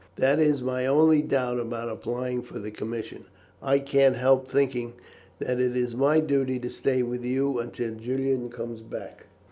That is my only doubt about applying for the commission. I can't help thinking that it is my duty to stay with you until Julian comes back."